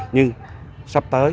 nhưng sắp tới